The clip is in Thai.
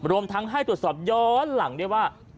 รวมทั้งให้ตรวจสอบย้อนหลังได้ว่า